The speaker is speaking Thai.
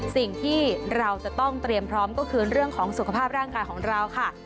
สิ่งที่เราจะต้องเตรียมพร้อมก็คือเรื่องของสุขภาพร่างกายของเราค่ะ